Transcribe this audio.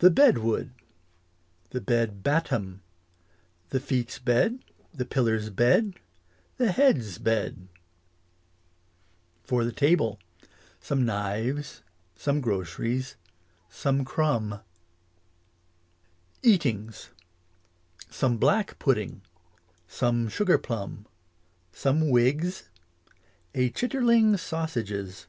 The bed wood The bed battom The feet's bed The pillar's bed The head's bed. Some knifes For the table. I Some groceries Some crumb. Eatings. Some black pudding Some sugar plum Some wigs A chitterling sausages.